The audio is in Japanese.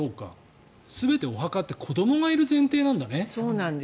全てお墓って子どもがいる前提なんだね。